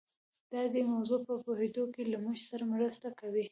دا د دې موضوع په پوهېدو کې له موږ سره مرسته کوي.